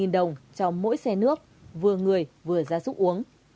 một trăm một mươi đồng cho mỗi xe nước vừa người vừa gia súc uống